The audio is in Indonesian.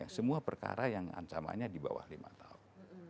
semua perkara yang ancamannya dibawah lima tahun